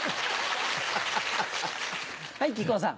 はい木久扇さん。